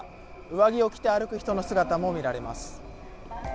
上着を着て歩く人の姿も見られます。